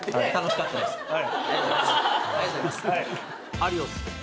アリオス。